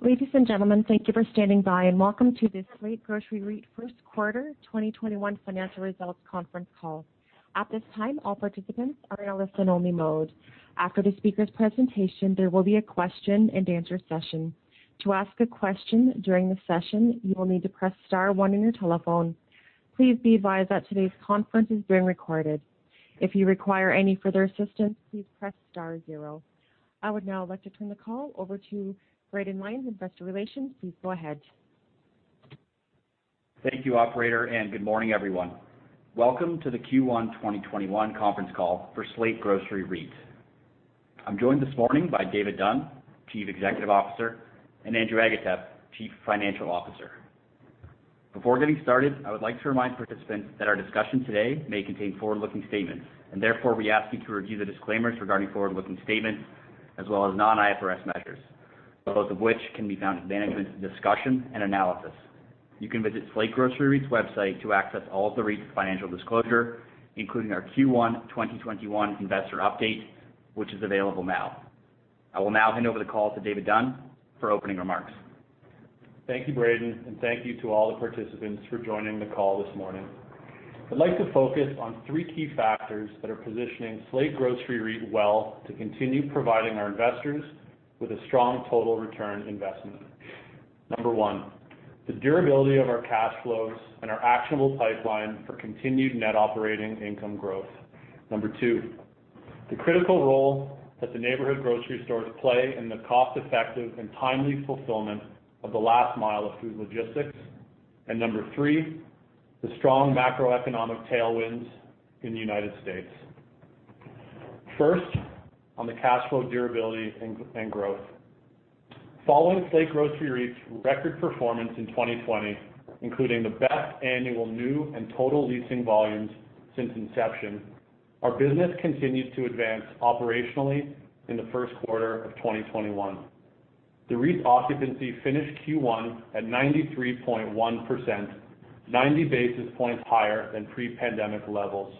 Ladies and gentlemen, thank you for standing by, and welcome to the Slate Grocery REIT first quarter 2021 financial results conference call. At this time, all participants are in a listen-only mode. After the speaker's presentation, there will be a question-and-answer session. I would now like to turn the call over to Braden Lyons, investor relations. Please go ahead. Thank you, operator, and good morning, everyone. Welcome to the Q1 2021 conference call for Slate Grocery REIT. I'm joined this morning by David Dunn, Chief Executive Officer, and Andrew Agatep, Chief Financial Officer. Before getting started, I would like to remind participants that our discussion today may contain forward-looking statements, and therefore, we ask you to review the disclaimers regarding forward-looking statements as well as non-IFRS measures, both of which can be found in management's discussion and analysis. You can visit Slate Grocery REIT's website to access all of the REIT's financial disclosure, including our Q1 2021 investor update, which is available now. I will now hand over the call to David Dunn for opening remarks. Thank you, Braden, and thank you to all the participants for joining the call this morning. I'd like to focus on three key factors that are positioning Slate Grocery REIT well to continue providing our investors with a strong total return investment. Number one, the durability of our cash flows and our actionable pipeline for continued net operating income growth. Number two, the critical role that the neighborhood grocery stores play in the cost-effective and timely fulfillment of the last mile of food logistics. Number three, the strong macroeconomic tailwinds in the United States. First, on the cash flow durability and growth. Following Slate Grocery REIT's record performance in 2020, including the best annual new and total leasing volumes since inception, our business continues to advance operationally in the first quarter of 2021. The REIT's occupancy finished Q1 at 93.1%, 90 basis points higher than pre-pandemic levels,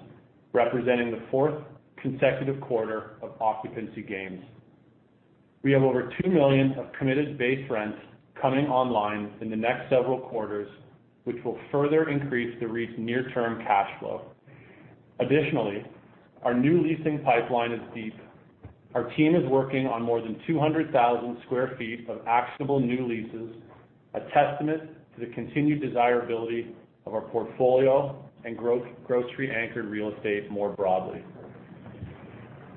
representing the fourth consecutive quarter of occupancy gains. We have over $2 million of committed base rents coming online in the next several quarters, which will further increase the REIT's near term cash flow. Our new leasing pipeline is deep. Our team is working on more than 200,000 sq ft of actionable new leases, a testament to the continued desirability of our portfolio and grocery-anchored real estate more broadly.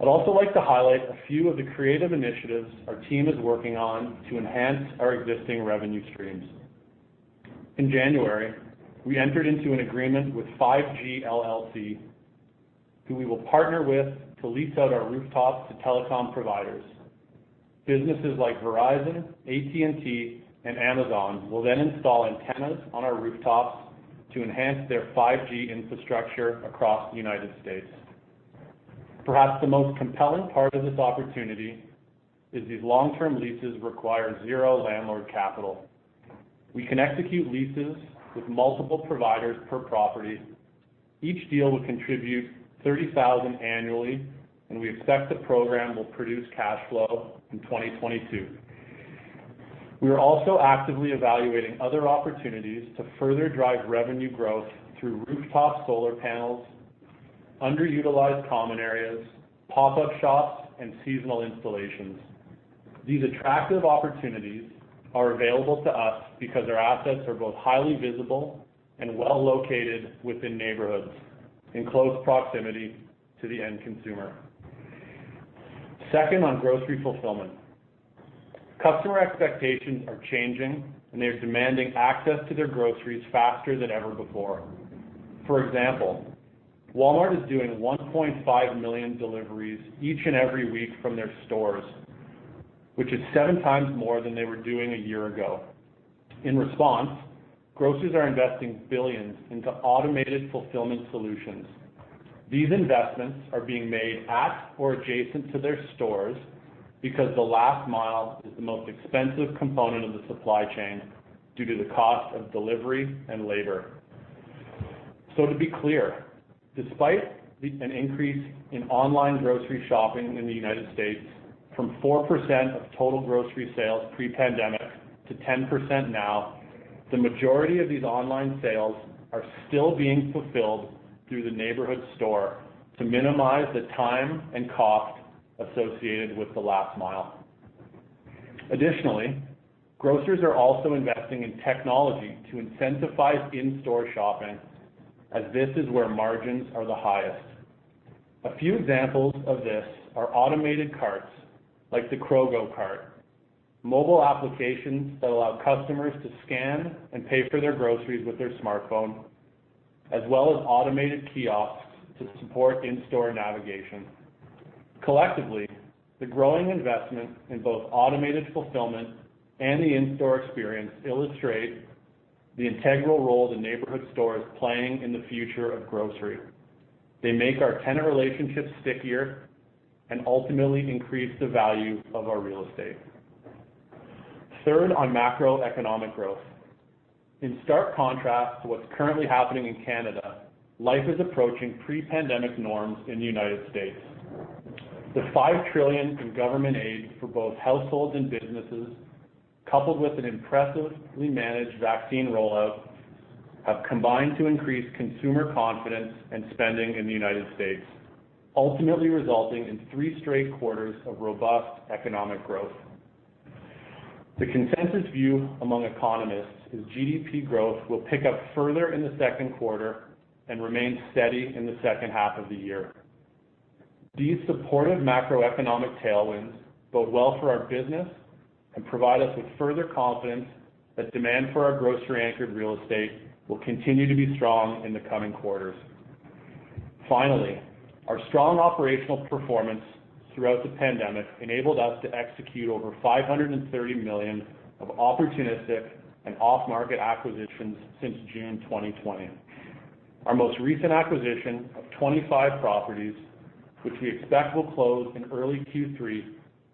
I'd also like to highlight a few of the creative initiatives our team is working on to enhance our existing revenue streams. In January, we entered into an agreement with 5G LLC, who we will partner with to lease out our rooftops to telecom providers. Businesses like Verizon, AT&T, and Amazon will then install antennas on our rooftops to enhance their 5G infrastructure across the United States. Perhaps the most compelling part of this opportunity is these long-term leases require zero landlord capital. We can execute leases with multiple providers per property. Each deal will contribute $30,000 annually, and we expect the program will produce cash flow in 2022. We are also actively evaluating other opportunities to further drive revenue growth through rooftop solar panels, underutilized common areas, pop-up shops, and seasonal installations. These attractive opportunities are available to us because our assets are both highly visible and well-located within neighborhoods in close proximity to the end consumer. Second on grocery fulfillment. Customer expectations are changing. They're demanding access to their groceries faster than ever before. For example, Walmart is doing 1.5 million deliveries each and every week from their stores, which is 7 times more than they were doing a year ago. In response, grocers are investing billions into automated fulfillment solutions. These investments are being made at or adjacent to their stores because the last mile is the most expensive component of the supply chain due to the cost of delivery and labor. To be clear, despite an increase in online grocery shopping in the United States from 4% of total grocery sales pre-pandemic to 10% now, the majority of these online sales are still being fulfilled through the neighborhood store to minimize the time and cost associated with the last mile. Additionally, grocers are also investing in technology to incentivize in-store shopping, as this is where margins are the highest. A few examples of this are automated carts like the KroGO cart, mobile applications that allow customers to scan and pay for their groceries with their smartphone, as well as automated kiosks to support in-store navigation. Collectively, the growing investment in both automated fulfillment and the in-store experience illustrate the integral role the neighborhood store is playing in the future of grocery. They make our tenant relationships stickier and ultimately increase the value of our real estate. Third on macroeconomic growth. In stark contrast to what's currently happening in Canada, life is approaching pre-pandemic norms in the United States. The $5 trillion in government aid for both households and businesses, coupled with an impressively managed vaccine rollout, have combined to increase consumer confidence and spending in the United States, ultimately resulting in three straight quarters of robust economic growth. The consensus view among economists is GDP growth will pick up further in the second quarter and remain steady in the second half of the year. These supportive macroeconomic tailwinds bode well for our business and provide us with further confidence that demand for our grocery-anchored real estate will continue to be strong in the coming quarters. Finally, our strong operational performance throughout the pandemic enabled us to execute over $530 million of opportunistic and off-market acquisitions since June 2020. Our most recent acquisition of 25 properties, which we expect will close in early Q3,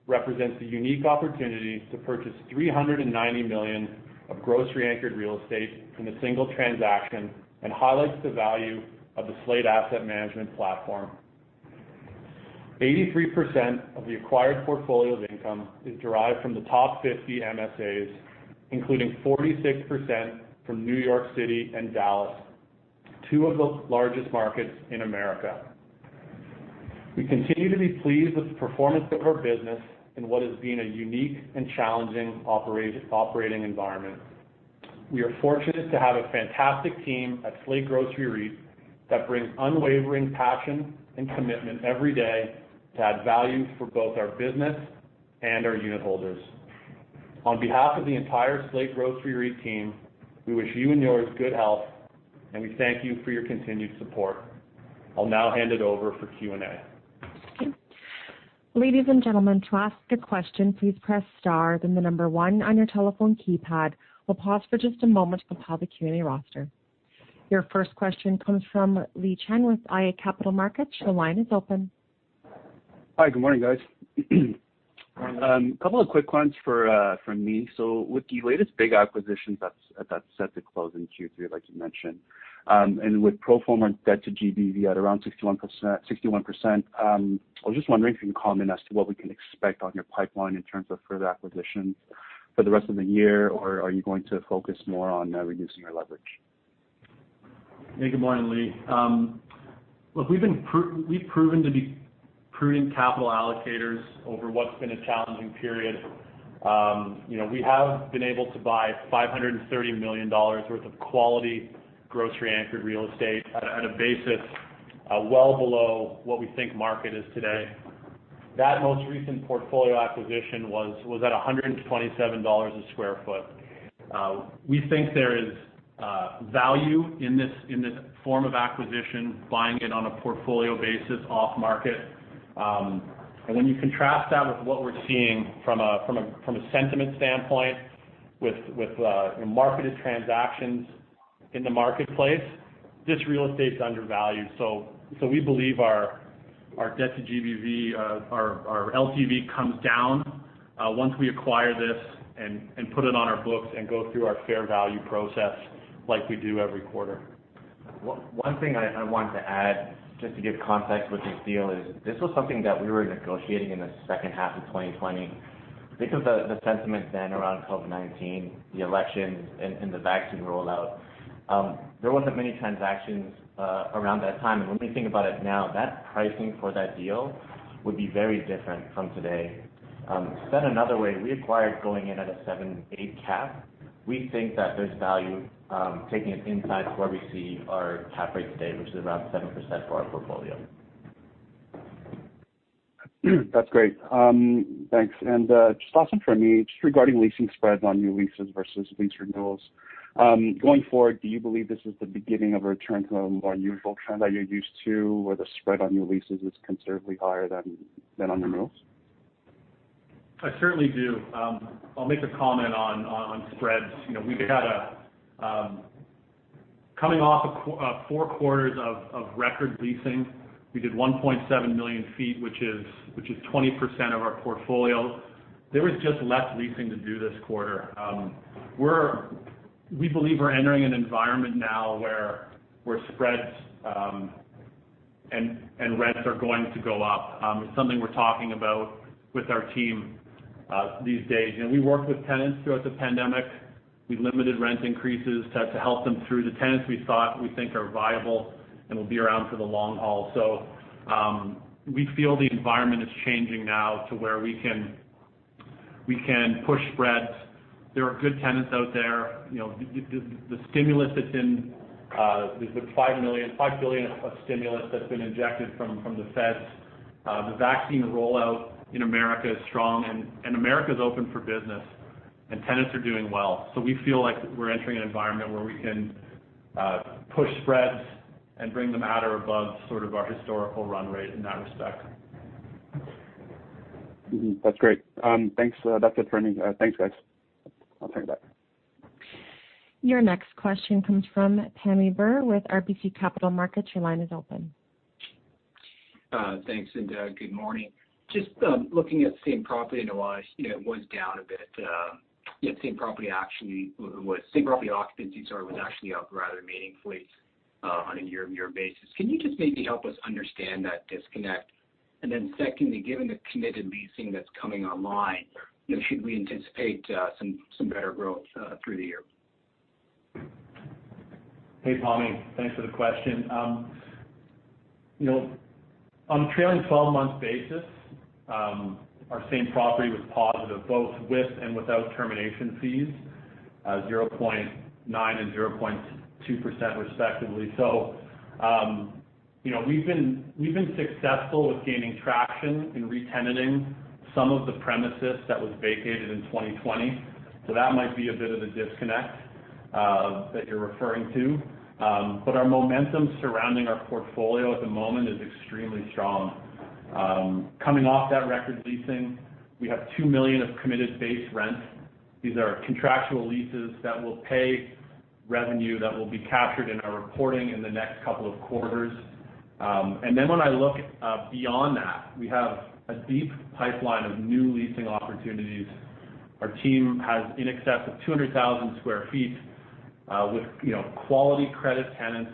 represents a unique opportunity to purchase $390 million of grocery-anchored real estate in a single transaction and highlights the value of the Slate Asset Management platform. 83% of the acquired portfolio's income is derived from the top 50 MSAs, including 46% from New York City and Dallas, two of the largest markets in America. We continue to be pleased with the performance of our business in what has been a unique and challenging operating environment. We are fortunate to have a fantastic team at Slate Grocery REIT that brings unwavering passion and commitment every day to add value for both our business and our unitholders. On behalf of the entire Slate Grocery REIT team, we wish you and yours good health, and we thank you for your continued support. I will now hand it over for Q&A. Ladies and gentlemen, to ask a question, please press star then number one on your telephone keypad. We'll pause for just a moment to compile the Q&A roster. Your first question comes from Li Chen with iA Capital Markets. Your line is open. Hi. Good morning, guys. Morning. A couple of quick ones from me. With the latest big acquisitions that's set to close in Q3, like you mentioned, and with pro forma debt to GBV at around 61%, I was just wondering if you can comment as to what we can expect on your pipeline in terms of further acquisitions for the rest of the year, or are you going to focus more on reducing your leverage? Good morning, Li. Look, we've proven to be prudent capital allocators over what's been a challenging period. We have been able to buy $530 million worth of quality grocery-anchored real estate at a basis well below what we think market is today. That most recent portfolio acquisition was at $127 a sq ft. We think there is value in this form of acquisition, buying it on a portfolio basis off-market. When you contrast that with what we're seeing from a sentiment standpoint with marketed transactions in the marketplace, this real estate's undervalued. We believe our debt to GBV, our LTV comes down once we acquire this and put it on our books and go through our fair value process like we do every quarter. One thing I wanted to add, just to give context with this deal, is this was something that we were negotiating in the second half of 2020. The sentiment then around COVID-19, the election, and the vaccine rollout, there wasn't many transactions around that time. When we think about it now, that pricing for that deal would be very different from today. Said another way, we acquired going in at a 7.8 cap. We think that there's value taking it inside where we see our cap rate today, which is around 7% for our portfolio. That's great. Thanks. Just last one from me, just regarding leasing spreads on new leases versus lease renewals. Going forward, do you believe this is the beginning of a return to a more usual trend that you're used to, where the spread on your leases is considerably higher than on renewals? I certainly do. I'll make a comment on spreads. Coming off four quarters of record leasing, we did 1.7 million feet, which is 20% of our portfolio. There was just less leasing to do this quarter. We believe we're entering an environment now where spreads and rents are going to go up. It's something we're talking about with our team these days. We worked with tenants throughout the pandemic. We limited rent increases to help them through. The tenants we think are viable and will be around for the long haul. We feel the environment is changing now to where we can push spreads. There are good tenants out there. The $5 billion of stimulus that's been injected from the Feds. The vaccine rollout in America is strong, and America is open for business, and tenants are doing well. We feel like we're entering an environment where we can push spreads and bring them at or above sort of our historical run rate in that respect. That's great. Thanks. That's it for me. Thanks, guys. I'll turn it back. Your next question comes from Pammi Bir with RBC Capital Markets. Your line is open. Thanks. Good morning. Just looking at same-property NOI, it was down a bit. Same-property occupancy was actually up rather meaningfully on a year-over-year basis. Can you just maybe help us understand that disconnect? Secondly, given the committed leasing that's coming online, should we anticipate some better growth through the year? Hey, Pammi. Thanks for the question. On a trailing 12-month basis, our same-property was positive, both with and without termination fees, 0.9% and 0.2%, respectively. We've been successful with gaining traction in re-tenanting some of the premises that was vacated in 2020. That might be a bit of the disconnect that you're referring to. Our momentum surrounding our portfolio at the moment is extremely strong. Coming off that record leasing, we have $2 million of committed base rent. These are contractual leases that will pay revenue that will be captured in our reporting in the next couple of quarters. When I look beyond that, we have a deep pipeline of new leasing opportunities. Our team has in excess of 200,000 sq ft with quality credit tenants.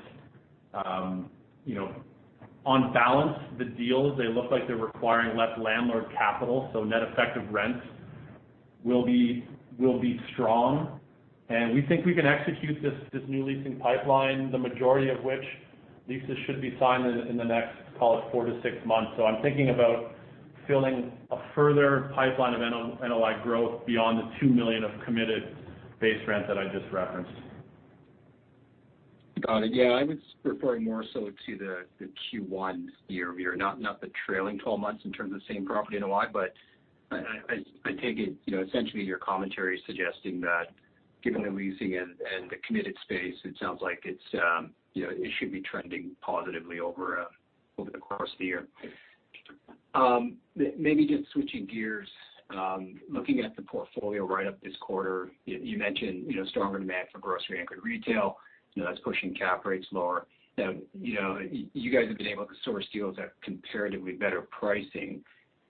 On balance, the deals, they look like they're requiring less landlord capital, so net effect of rent will be strong. We think we can execute this new leasing pipeline, the majority of which leases should be signed in the next, call it, four to six months. I'm thinking about filling a further pipeline of NOI growth beyond the $2 million of committed base rent that I just referenced. Got it. Yeah, I was referring more so to the Q1 year-over-year, not the trailing 12 months in terms of same property NOI. I take it, essentially, your commentary suggesting that given the leasing and the committed space, it sounds like it should be trending positively over the course of the year. Maybe just switching gears, looking at the portfolio right up this quarter, you mentioned stronger demand for grocery-anchored retail that's pushing cap rates lower. You guys have been able to source deals at comparatively better pricing.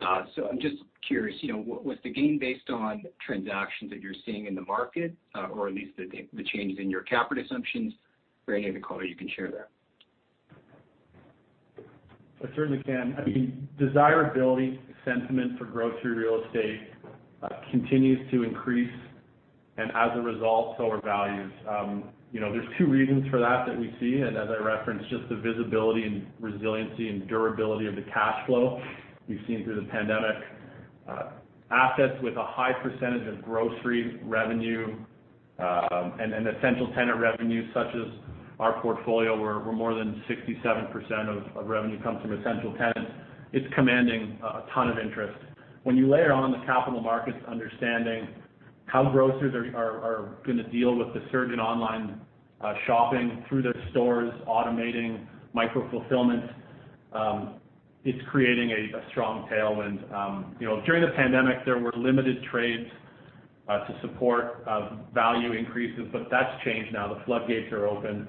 I'm just curious, was the gain based on transactions that you're seeing in the market, or at least the change in your cap rate assumptions, for any of the color you can share there? I certainly can. I think desirability sentiment for grocery real estate continues to increase, and as a result, so are values. There's two reasons for that that we see, and as I referenced, just the visibility and resiliency and durability of the cash flow we've seen through the pandemic. Assets with a high percentage of grocery revenue and essential tenant revenue, such as our portfolio, where more than 67% of revenue comes from essential tenants, is commanding a ton of interest. When you layer on the capital markets understanding how grocers are going to deal with the surge in online shopping through their stores, automating micro-fulfillment, it's creating a strong tailwind. During the pandemic, there were limited trades to support value increases, but that's changed now. The floodgates are open.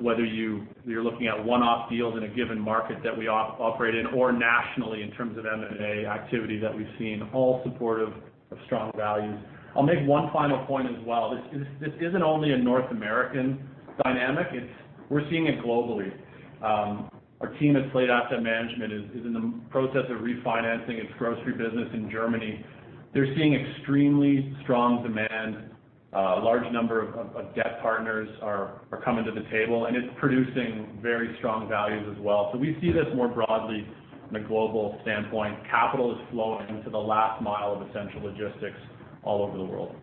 Whether you're looking at one-off deals in a given market that we operate in, or nationally in terms of M&A activity that we've seen, all supportive of strong values. I'll make one final point as well. This isn't only a North American dynamic. We're seeing it globally. Our team at Slate Asset Management is in the process of refinancing its grocery business in Germany. They're seeing extremely strong demand. A large number of debt partners are coming to the table, and it's producing very strong values as well. We see this more broadly from a global standpoint. Capital is flowing into the last mile of essential logistics all over the world.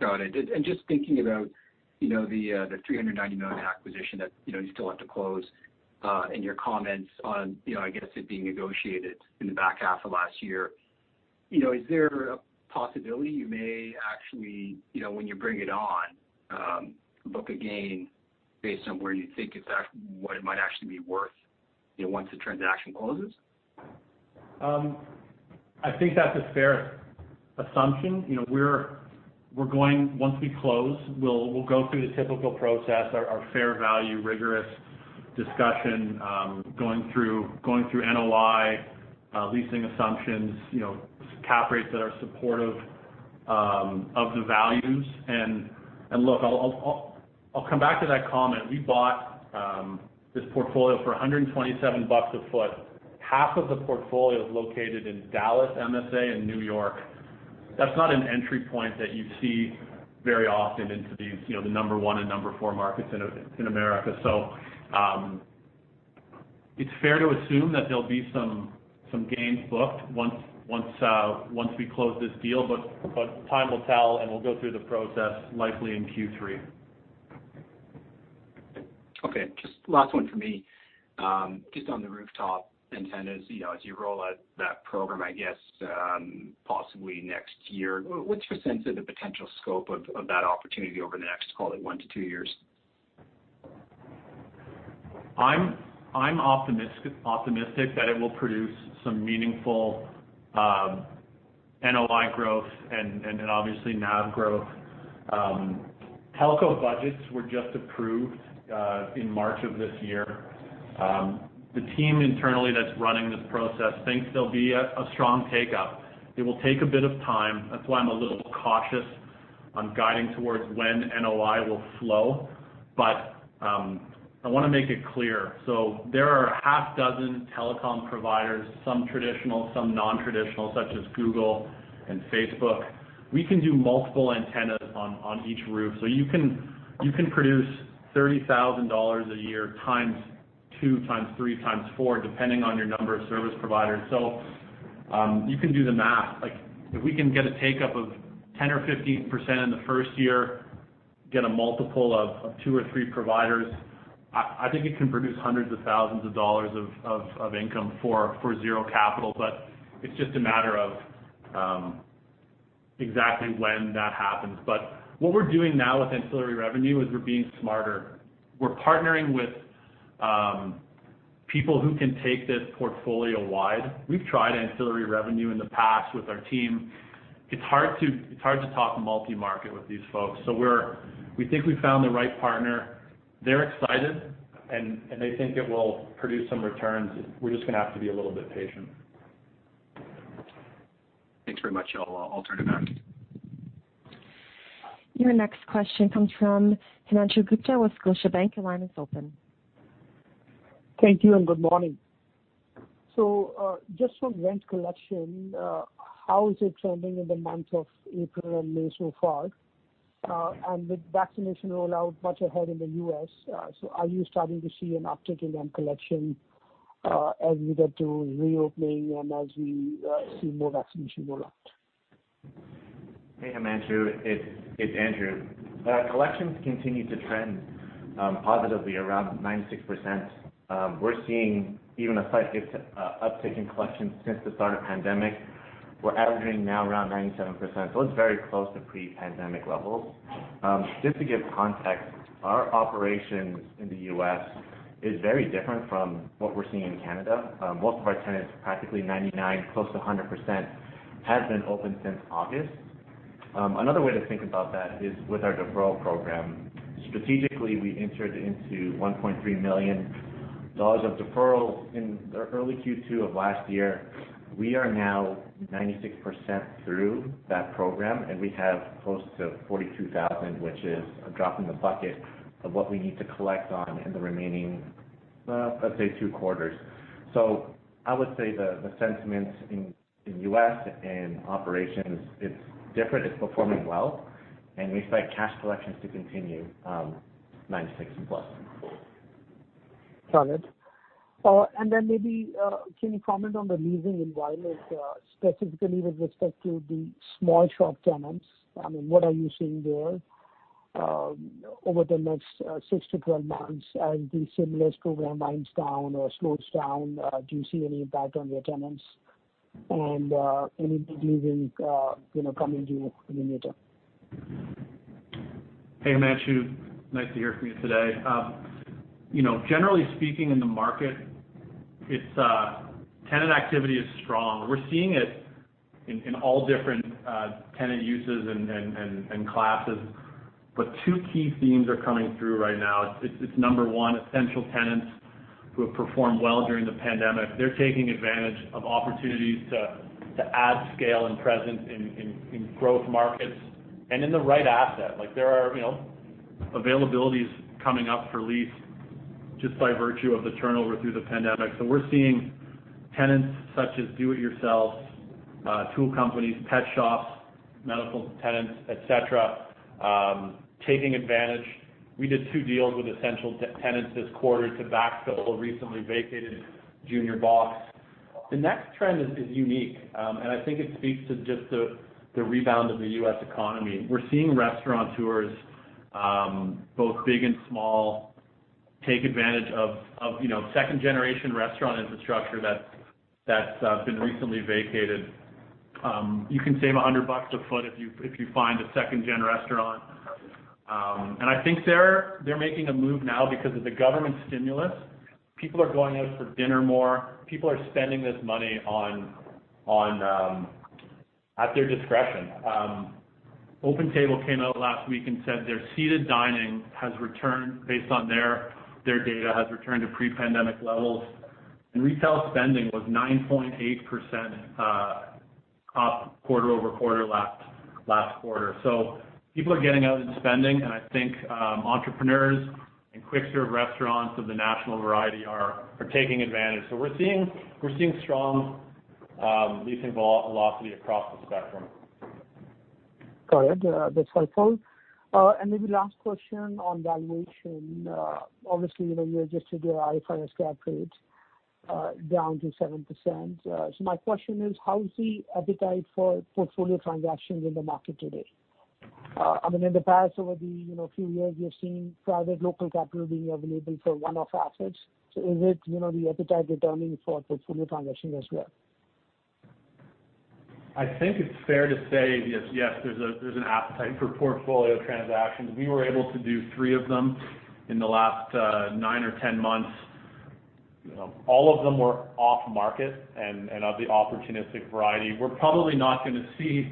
Got it. Just thinking about the $390 million acquisition that you still have to close and your comments on, I guess it being negotiated in the back half of last year. Is there a possibility you may actually, when you bring it on, book a gain based on what it might actually be worth once the transaction closes? I think that's a fair assumption. Once we close, we'll go through the typical process, our fair value, rigorous discussion, going through NOI, leasing assumptions, cap rates that are supportive of the values. Look, I'll come back to that comment. We bought this portfolio for $127 a foot. Half of the portfolio is located in Dallas MSA and New York. That's not an entry point that you see very often into these, the number 1 and number 4 markets in America. It's fair to assume that there'll be some gains booked once we close this deal, but time will tell, and we'll go through the process likely in Q3. Okay, just last one from me. Just on the rooftop antennas, as you roll out that program, I guess, possibly next year, what's your sense of the potential scope of that opportunity over the next, call it, one to two years? I'm optimistic that it will produce some meaningful NOI growth and obviously NAV growth. Telco budgets were just approved in March of this year. The team internally that's running this process thinks there'll be a strong take-up. It will take a bit of time. That's why I'm a little cautious on guiding towards when NOI will flow. I want to make it clear. There are a half dozen telecom providers, some traditional, some non-traditional, such as Google and Facebook. We can do multiple antennas on each roof. You can produce $30,000 a year times two, times three, times four, depending on your number of service providers. You can do the math. If we can get a take-up of 10% or 15% in the first year, get a multiple of two or three providers, I think it can produce hundreds of thousands of dollars of income for zero capital. It's just a matter of exactly when that happens. What we're doing now with ancillary revenue is we're being smarter. We're partnering with people who can take this portfolio-wide. We've tried ancillary revenue in the past with our team. It's hard to talk multi-market with these folks. We think we've found the right partner. They're excited, and they think it will produce some returns. We're just going to have to be a little bit patient. Thanks very much. I'll turn it back. Your next question comes from Himanshu Gupta with Scotiabank. Your line is open. Thank you and good morning. Just on rent collection, how is it trending in the month of April and May so far? With vaccination rollout much ahead in the U.S., are you starting to see an uptick in rent collection, as we get to reopening and as we see more vaccination rollout? Hey, Himanshu, it's Andrew. Collections continue to trend positively around 96%. We're seeing even a slight uptick in collections since the start of pandemic. We're averaging now around 97%. It's very close to pre-pandemic levels. Just to give context, our operations in the U.S. is very different from what we're seeing in Canada. Most of our tenants, practically 99%, close to 100%, have been open since August. Another way to think about that is with our deferral program. Strategically, we entered into $1.3 million of deferrals in early Q2 of last year. We are now 96% through that program. We have close to $42,000, which is a drop in the bucket of what we need to collect on in the remaining, let's say, two quarters. I would say the sentiments in U.S. and operations, it's different. It's performing well, and we expect cash collections to continue 96%+. Got it. Maybe, can you comment on the leasing environment, specifically with respect to the small shop tenants? I mean, what are you seeing there over the next 6-12 months as the stimulus program winds down or slows down? Do you see any impact on your tenants? Any big leasings coming to you in the near term? Hey, Himanshu, nice to hear from you today. Generally speaking, in the market, tenant activity is strong. We're seeing it in all different tenant uses and classes. Two key themes are coming through right now. It's number one, essential tenants who have performed well during the pandemic. They're taking advantage of opportunities to add scale and presence in growth markets and in the right asset. There are availabilities coming up for lease just by virtue of the turnover through the pandemic. We're seeing tenants such as do-it-yourself, tool companies, pet shops, medical tenants, et cetera, taking advantage. We did two deals with essential tenants this quarter to backfill a recently vacated Junior Box. The next trend is unique, and I think it speaks to just the rebound of the U.S. economy. We're seeing restaurateurs, both big and small, take advantage of second-generation restaurant infrastructure that's been recently vacated. You can save 100 bucks a foot if you find a second-gen restaurant. I think they're making a move now because of the government stimulus. People are going out for dinner more. People are spending this money at their discretion. OpenTable came out last week and said their seated dining, based on their data, has returned to pre-pandemic levels. Retail spending was 9.8% up quarter-over-quarter last quarter. People are getting out and spending, and I think entrepreneurs and quick-serve restaurants of the national variety are taking advantage. We're seeing strong leasing velocity across the spectrum. Got it. That's helpful. Maybe last question on valuation. Obviously, you registered your IFRS cap rates down to 7%. My question is, how is the appetite for portfolio transactions in the market today? I mean, in the past, over the few years, we have seen private local capital being available for one-off assets. Is it the appetite returning for portfolio transactions as well? I think it's fair to say, yes, there's an appetite for portfolio transactions. We were able to do three of them in the last nine or 10 months. All of them were off-market and of the opportunistic variety. We're probably not going to see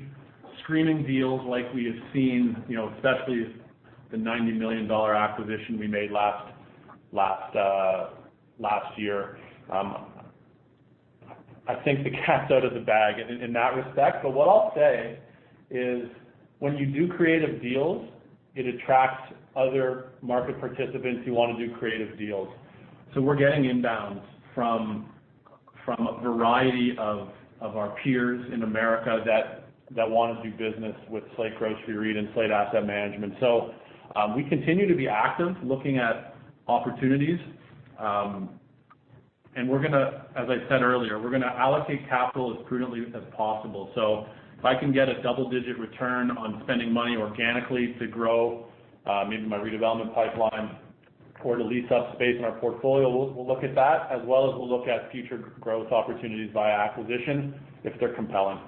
screening deals like we have seen, especially the $90 million acquisition we made last year. I think the cat's out of the bag in that respect. What I'll say is when you do creative deals, it attracts other market participants who want to do creative deals. We're getting inbounds from a variety of our peers in the U.S. that want to do business with Slate Grocery REIT and Slate Asset Management. We continue to be active, looking at opportunities. As I said earlier, we're going to allocate capital as prudently as possible. If I can get a double-digit return on spending money organically to grow, maybe my redevelopment pipeline or to lease up space in our portfolio, we'll look at that, as well as we'll look at future growth opportunities via acquisition if they're compelling.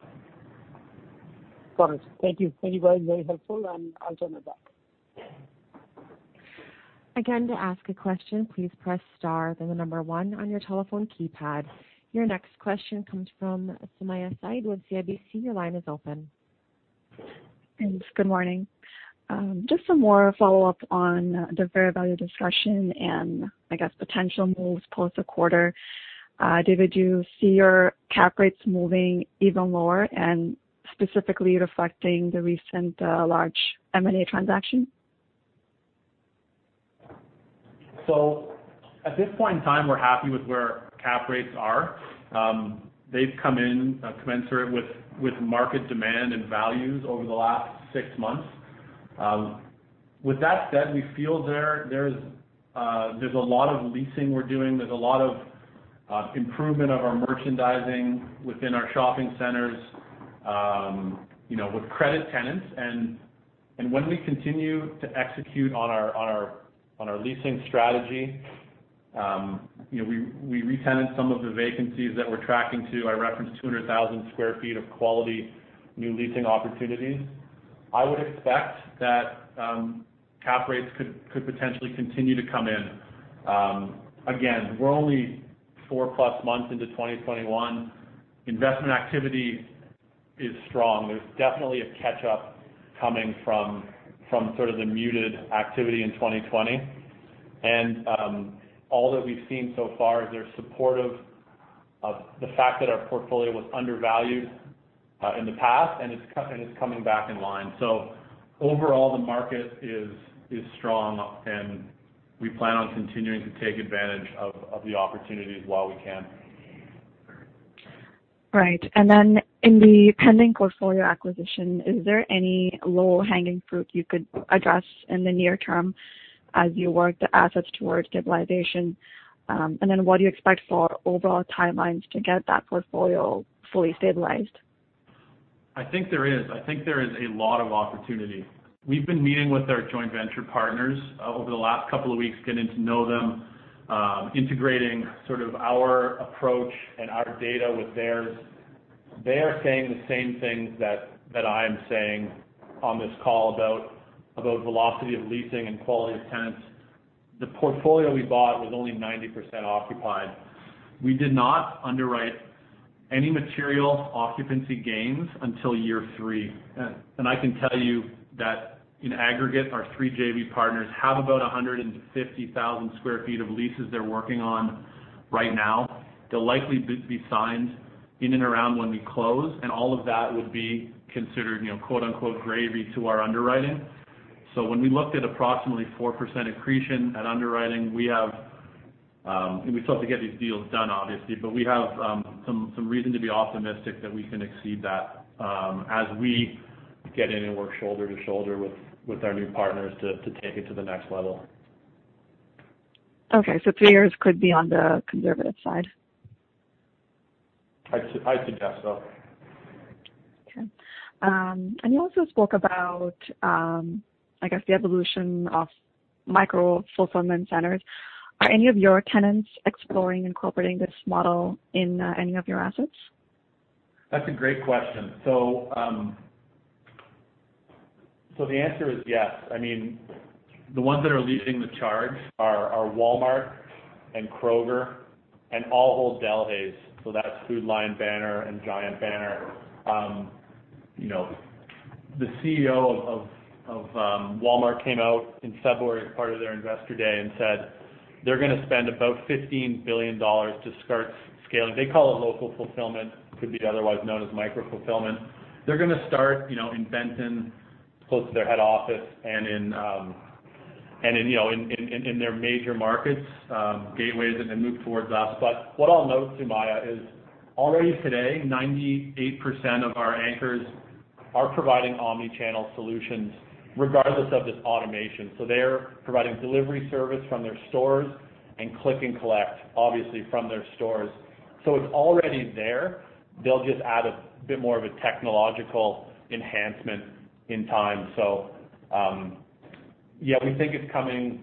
Got it. Thank you. Very helpful. I'll turn it back. Again, to ask a question, please press star and then number one on your telephone keypad. Your next question comes from Sumayya Syed with CIBC. Your line is open. Thanks. Good morning. Just some more follow-up on the fair value discussion, and I guess potential moves post the quarter. David, do you see your cap rates moving even lower and specifically reflecting the recent large M&A transaction? At this point in time, we're happy with where our cap rates are. They've come in commensurate with market demand and values over the last six months. With that said, we feel there's a lot of leasing we're doing. There's a lot of improvement of our merchandising within our shopping centers with credit tenants. And when we continue to execute on our leasing strategy, we re-tenant some of the vacancies that we're tracking to. I referenced 200,000 sq ft of quality new leasing opportunities. I would expect that cap rates could potentially continue to come in. Again, we're only 4+ months into 2021. Investment activity is strong. There's definitely a catch-up coming from sort of the muted activity in 2020. All that we've seen so far is they're supportive of the fact that our portfolio was undervalued in the past, and it's coming back in line. Overall, the market is strong, and we plan on continuing to take advantage of the opportunities while we can. Right. In the pending portfolio acquisition, is there any low-hanging fruit you could address in the near term as you work the assets towards stabilization? What do you expect for overall timelines to get that portfolio fully stabilized? I think there is. I think there is a lot of opportunity. We've been meeting with our joint venture partners over the last couple of weeks, getting to know them, integrating sort of our approach and our data with theirs. They are saying the same things that I am saying on this call about velocity of leasing and quality of tenants. The portfolio we bought was only 90% occupied. We did not underwrite any material occupancy gains until year three. I can tell you that in aggregate, our three JV partners have about 150,000 sq ft of leases they're working on right now. They'll likely be signed in and around when we close, and all of that would be considered "gravy" to our underwriting. When we looked at approximately 4% accretion at underwriting, we still have to get these deals done, obviously, but we have some reason to be optimistic that we can exceed that as we get in and work shoulder to shoulder with our new partners to take it to the next level. Okay. Three years could be on the conservative side? I think that so. Okay. You also spoke about, I guess, the evolution of micro-fulfillment centers. Are any of your tenants exploring incorporating this model in any of your assets? That's a great question. The answer is yes. The ones that are leading the charge are Walmart and Kroger, and Ahold Delhaize. That's Food Lion Banner and Giant Banner. The CEO of Walmart came out in February as part of their Investor Day and said they're going to spend about $15 billion to start scaling. They call it local fulfillment, could be otherwise known as micro-fulfillment. They're going to start in Bentonville, close to their head office, and in their major markets, gateways, and then move towards us. What I'll note, Sumayya, is already today, 98% of our anchors are providing omni-channel solutions regardless of this automation. They are providing delivery service from their stores and click and collect, obviously from their stores. It's already there. They'll just add a bit more of a technological enhancement in time. Yeah, we think it's coming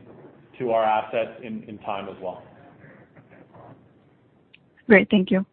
to our assets in time as well. Great. Thank you.